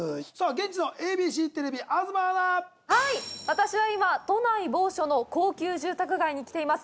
現地のＡＢＣテレビ東アナはい私は今都内某所の高級住宅街に来ています